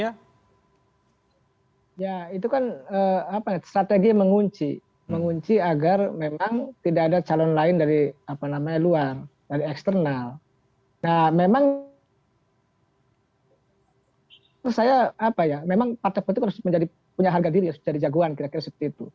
yang dihadirkan adalah pak cak imin